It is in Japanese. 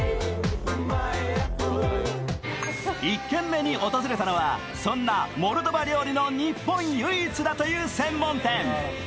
１軒目に訪れたのは、そんなモルドバ料理の日本唯一だという専門店。